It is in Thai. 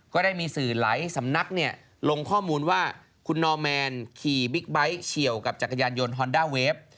ก็ได้มีสื่อหลายสำนักลงข้อมูลว่าคุณนอร์แมนขี่บิ๊กไบท์เฉียวกับจักรยานยนต์ฮอนด้าเวฟ